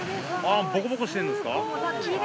ボコボコしてるのですか。